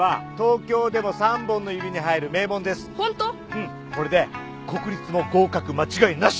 うんこれで国立も合格間違いなし。